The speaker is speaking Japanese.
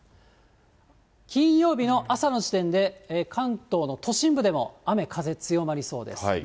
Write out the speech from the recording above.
金曜日の朝の時点で、関東の都心部でも雨風、強まりそうです。